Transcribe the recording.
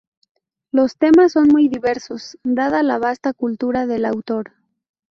Los temas son muy diversos, dada la vasta cultura del autor.